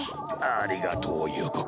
ありがとう優子